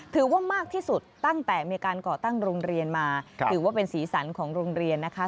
ถือว่ามากที่สุดตั้งแต่มีการเกาะตั้งโรงเรียนมา